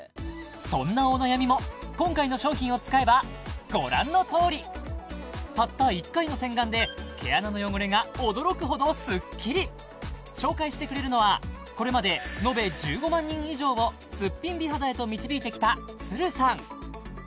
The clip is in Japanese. そんなお悩みも今回の商品を使えばご覧のとおりたった１回の洗顔で毛穴の汚れが驚くほどスッキリ紹介してくれるのはこれまでのべ１５万人以上をスッピン美肌へと導いてきたさん